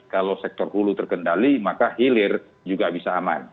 kalau sektor hulu terkendali maka hilir juga bisa aman